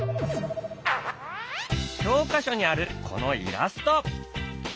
教科書にあるこのイラスト。